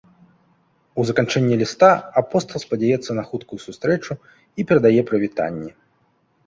У заканчэнні ліста апостал спадзяецца на хуткую сустрэчу і перадае прывітанні.